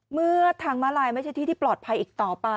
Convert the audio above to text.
เมื่อทางม้าลายไม่ใช่ที่ที่ปลอดภัยอีกต่อไป